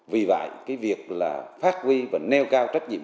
vì vậy cái việc là phát huy và nêu cao trách nhiệm